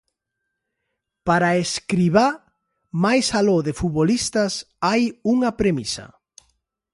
Para Escribá, máis aló de futbolistas, hai unha premisa.